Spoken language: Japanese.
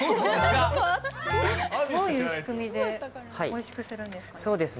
どういう仕組みでおいしくするんですか？